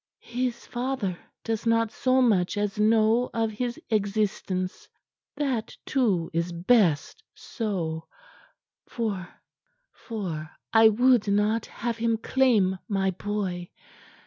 His father does not so much as know of his existence. That, too, is best so, for I would not have him claim my boy.